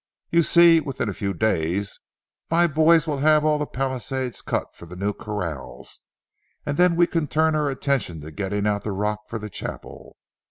You see, within a few days my boys will have all the palisades cut for the new corrals, and then we can turn our attention to getting out the rock for the chapel.